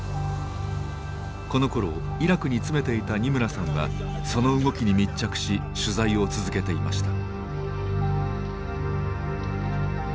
このころイラクに詰めていた二村さんはその動きに密着し取材を続けていました。